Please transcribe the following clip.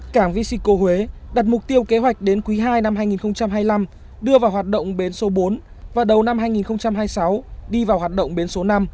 cảng vesico huế đặt mục tiêu kế hoạch đến quý ii năm hai nghìn hai mươi năm đưa vào hoạt động bến số bốn và đầu năm hai nghìn hai mươi sáu đi vào hoạt động bến số năm